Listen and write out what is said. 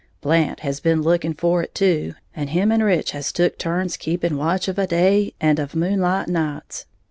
Blant has been looking for it, too, and him and Rich has took turns keeping watch of a day, and of moonlight nights.